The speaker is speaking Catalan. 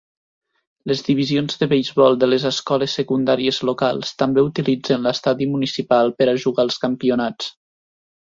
Les divisions de beisbol de les escoles secundàries locals també utilitzen l'Estadi Municipal per a jugar als campionats.